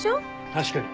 確かに。